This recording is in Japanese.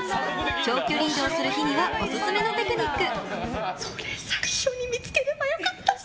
長距離移動する日にはオススメのテクニック。